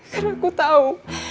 karena aku tau